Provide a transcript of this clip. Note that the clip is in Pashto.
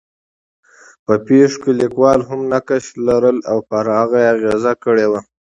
په پېښو کې لیکوال هم نقش لرلی او پر هغې یې اغېز کړی وي.